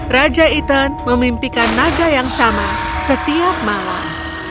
raja ethan memimpikan naga yang sama setiap malam